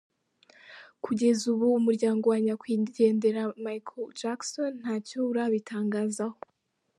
Kugeza ubu umuryango wa Nyakwigendera Michael Jackson ntacyo urabitangazaho.